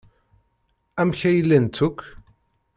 Amek ay llant akk?